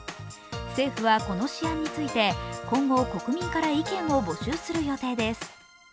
政府は、この試案について今後、国民から意見を募集する予定です。